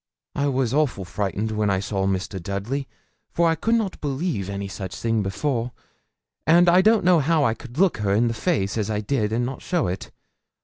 'I was awful frightened when I saw Mr. Dudley, for I could not believe any such thing before, and I don't know how I could look her in the face as I did and not show it.